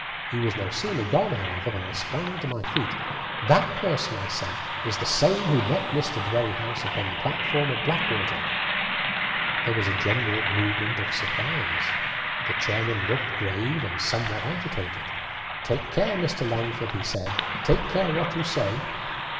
He was no sooner gone, however, than I sprang to my feet. "That person," I said, "is the same who met Mr. Dwerrihouse upon the platform at Blackwater!" There was a general movement of surprise. The chairman looked grave and somewhat agitated. "Take care, Mr. Langford," he said; "take care what you say."